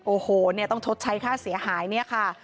โอ้โหต้องชดใช้ค่าเสียหายนี่ค่ะ